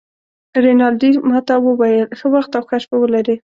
رینالډي ما ته وویل: ښه وخت او ښه شپه ولرې.